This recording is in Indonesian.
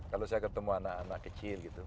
kalau saya ketemu anak anak kecil gitu